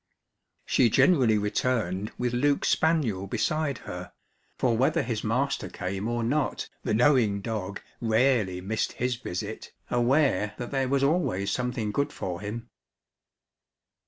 She generally returned with Luke's spaniel beside her, for whether his master came or not the knowing dog rarely missed his visit, aware that there was always something good for him.